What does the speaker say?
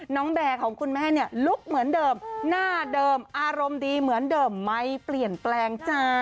แบร์ของคุณแม่เนี่ยลุกเหมือนเดิมหน้าเดิมอารมณ์ดีเหมือนเดิมไม่เปลี่ยนแปลงจ้า